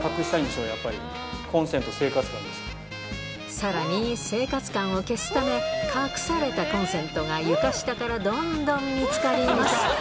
さらに生活感を消すため隠されたコンセントが床下からどんどん見つかります